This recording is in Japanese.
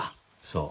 そう。